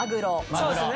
そうですよね。